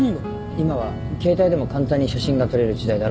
今は携帯でも簡単に写真が撮れる時代だろ？